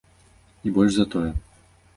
І больш за тое.